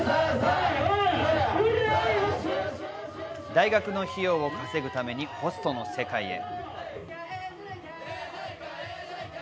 大学の費用を稼ぐためにホストの世界へ。